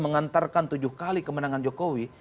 mengantarkan tujuh kali kemenangan jokowi